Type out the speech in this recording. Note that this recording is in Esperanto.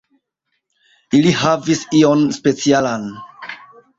Ili havis ion specialan.